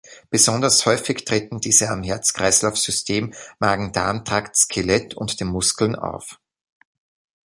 Besonders häufig treten diese am Herz-Kreislauf-System, Magen-Darm-Trakt, Skelett und den Muskeln auf.